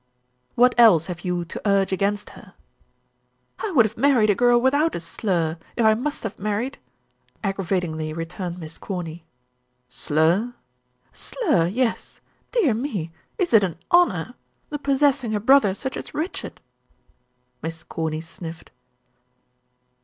"What else have you to urge against her?" "I would have married a girl without a slur, if I must have married," aggravatingly returned Miss Corny. "Slur?" "Slur, yes. Dear me, is it an honor the possessing a brother such as Richard?" Miss Corny sniffed.